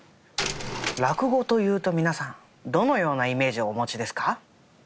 落語というと皆さんどのようなイメージをお持ちですか？